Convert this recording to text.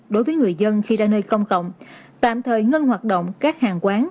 đối với người dân khi ra nơi công cộng tạm thời ngưng hoạt động các hàng quán